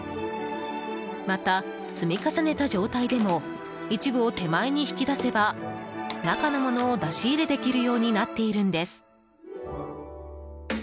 また、積み重ねた状態でも一部を手前に引き出せば中の物を出し入れできるようになっているんです。